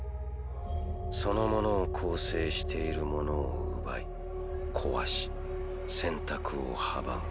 そのものを構成しているものを奪い壊し選択を阻む。